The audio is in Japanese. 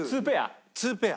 ２ペア？